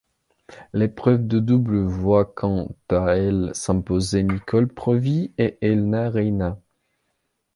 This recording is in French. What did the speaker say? L'épreuve de double voit quant à elle s'imposer Nicole Provis et Elna Reinach.